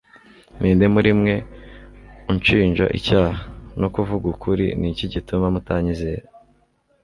Ni nde muri mwe unshinja icyaha? Ko kuvuga ukuri, ni iki gituma mutanyizera ?